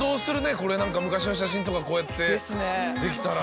これ何か昔の写真とかこうやってできたら。